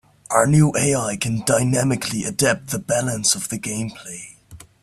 Our new AI can dynamically adapt the balance of the gameplay.